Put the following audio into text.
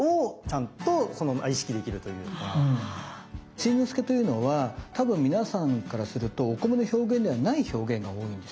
新之助というのは多分皆さんからするとお米の表現ではない表現が多いんです。